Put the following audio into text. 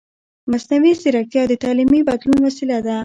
مصنوعي ځیرکتیا د تعلیمي بدلون وسیله ده.